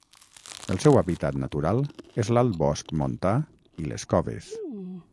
El seu hàbitat natural és l'alt bosc montà i les coves.